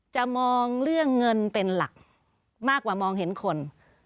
จะมองเรื่องเงินเป็นหลักมากกว่ามองเห็นคน